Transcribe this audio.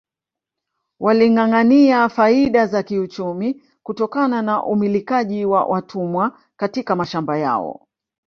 Walingâangâania faida za kiuchumi kutokana na umilikaji wa watumwa katika mashamba yao